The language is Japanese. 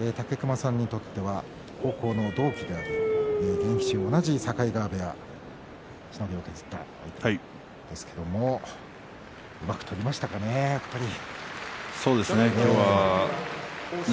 武隈さんにとっては高校の同期であり現役中、同じ境川部屋しのぎを削った相手ですけれどもうまく取りましたかねやっぱり。